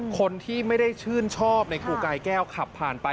คนที่ไม่ได้ชื่นชอบในครูกายแก้วขับผ่านไป